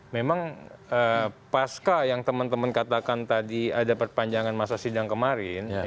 memang pasca yang teman teman katakan tadi ada perpanjangan masa sidang kemarin